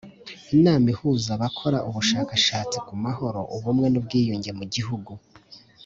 Inama ihuza abakora ubushakashatsi ku mahoro ubumwe n ubwiyunge mu Gihugu